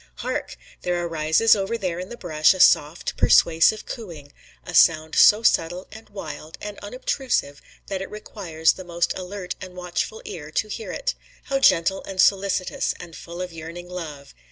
Hark! there arises over there in the brush a soft, persuasive cooing, a sound so subtle and wild and unobtrusive that it requires the most alert and watchful ear to hear it. How gentle and solicitous and full of yearning love!